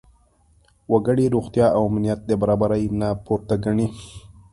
وګړي روغتیا او امنیت د برابرۍ نه پورته ګڼي.